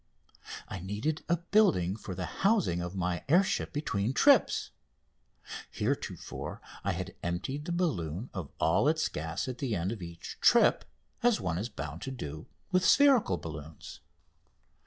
I needed a building for the housing of my air ship between trips. Heretofore I had emptied the balloon of all its gas at the end of each trip, as one is bound to do with spherical balloons.